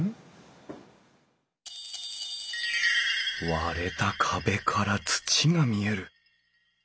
割れた壁から土が見える。